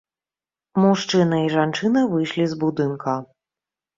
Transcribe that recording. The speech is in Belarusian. Мужчына і жанчына выйшлі з будынка.